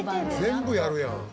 全部やるやん。